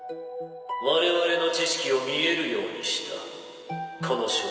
・われわれの知識を見えるようにした。